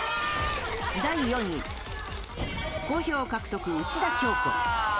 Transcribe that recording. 第４位、５票獲得、内田恭子。